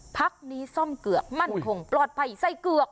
พักนี้ซ่อมเกือกมั่นคงปลอดภัยไส้เกือก